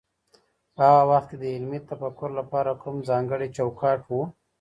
په هغه وخت کي د علمي تفکر لپاره کوم ځانګړی چوکاټ و؟